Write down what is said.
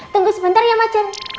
tunggu sebentar ya macer